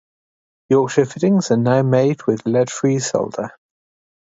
Yorkshire fittings are now made with lead-free solder.